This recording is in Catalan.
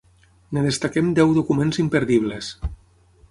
En destaquem deu documents imperdibles.